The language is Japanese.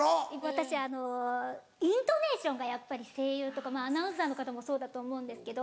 私あのイントネーションがやっぱり声優とかまぁアナウンサーの方もそうだと思うんですけど。